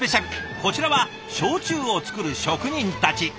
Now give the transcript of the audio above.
こちらは焼酎をつくる職人たち。